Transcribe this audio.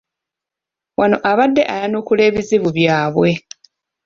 Wano abadde ayanukula ebizibu byabwe.